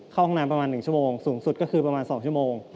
เข้าห้องน้ำประมาณ๑ชั่วโมงสูงสุดก็คือประมาณ๒ชั่วโมง